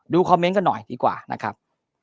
คอมเมนต์กันหน่อยดีกว่านะครับ